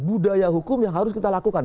budaya hukum yang harus kita lakukan